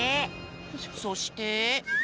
そして。